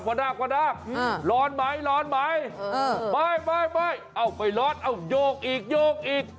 พอนาคว่านาคร้อนไหมร้อนไหมไม่เอาไปร้อนเอาโยกอีกโยกอีก